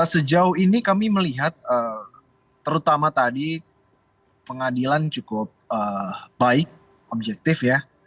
sejauh ini kami melihat terutama tadi pengadilan cukup baik objektif ya